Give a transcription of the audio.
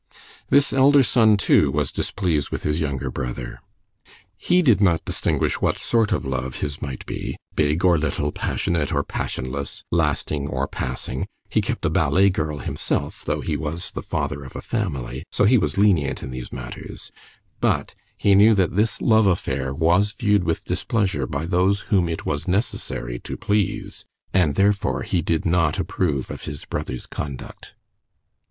This elder son, too, was displeased with his younger brother. He did not distinguish what sort of love his might be, big or little, passionate or passionless, lasting or passing (he kept a ballet girl himself, though he was the father of a family, so he was lenient in these matters), but he knew that this love affair was viewed with displeasure by those whom it was necessary to please, and therefore he did not approve of his brother's conduct.